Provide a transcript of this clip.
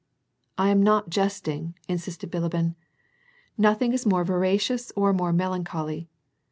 " I am not jesting," insisted Bilibin, " Nothing is more ver acious or more melancholy.